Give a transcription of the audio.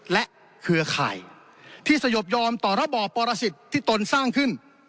และเครือข่ายที่สยบยอมต่อระบอบปรสิทธิ์ที่ตนสร้างขึ้น